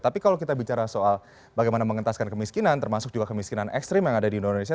tapi kalau kita bicara soal bagaimana mengentaskan kemiskinan termasuk juga kemiskinan ekstrim yang ada di indonesia